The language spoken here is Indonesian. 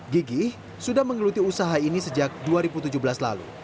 gigih sudah menggeluti usaha ini sejak dua ribu tujuh belas lalu